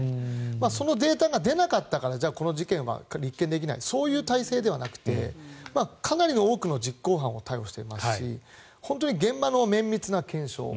そのデータが出なかったからこの事件は立件できないそういう体制ではなくてかなり多くの実行犯を逮捕していますし本当に現場の綿密な検証